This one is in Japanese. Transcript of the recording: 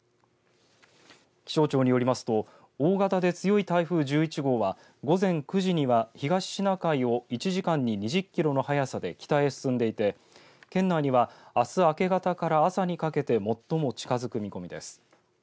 気象庁によりますと大型で強い台風１１号は午前９時には東シナ海を１時間に２０キロの速さで北へ進んでいて県内にはあす明け方から朝にかけて最も近づく見込みです。